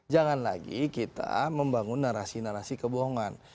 jangan lagi kita membangun narasi narasi kebohongan